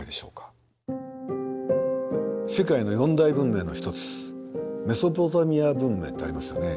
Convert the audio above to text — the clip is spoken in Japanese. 世界の４大文明の一つメソポタミア文明ってありますよね。